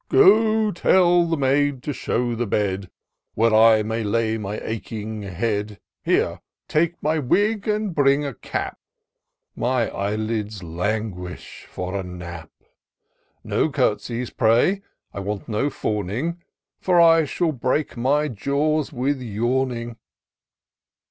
*' Go tell the maid to shew the bed. Where I may lay my aching head ; Here, take my wig and bring a cap My eye lids languish for a nap : No court'sying, pray ; I want no fawning. For I shall break my jaws with yawning."